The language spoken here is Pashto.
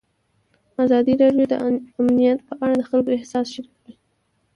ازادي راډیو د امنیت په اړه د خلکو احساسات شریک کړي.